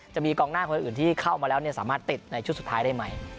จะมีกองหน้าคนอื่นที่เข้ามาแล้วสามารถติดในชุดสุดท้ายได้ไหม